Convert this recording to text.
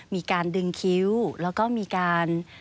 มีการดึงคิ้วแล้วก็มีการ